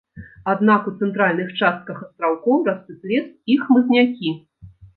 Аднак у цэнтральных частках астраўкоў растуць лес і хмызнякі.